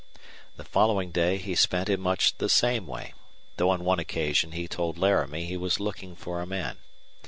The following day he spent in much the same way, though on one occasion he told Laramie he was looking for a man.